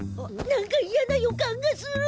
何かいやな予感がする。